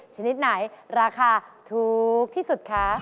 ชนิดไหนราคาถูกที่สุดคะ